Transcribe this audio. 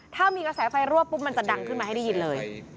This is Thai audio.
ถ้ามีกระแสไฟรั่วปุ๊บมันจะดังขึ้นมาให้ได้ยินเลย